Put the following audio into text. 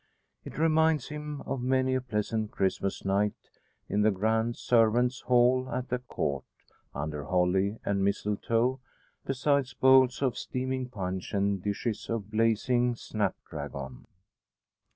It reminds him of many a pleasant Christmas night in the grand servants' hall at the Court, under holly and mistletoe, besides bowls of steaming punch and dishes of blazing snapdragon.